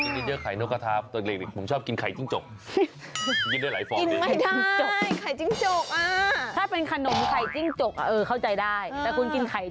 นี่ต้องกินเยอะแต่กลิ่นเยอะถ้าใกล้